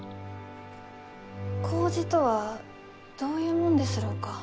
麹とはどういうもんですろうか？